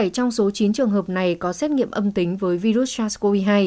bảy trong số chín trường hợp này có xét nghiệm âm tính với virus sars cov hai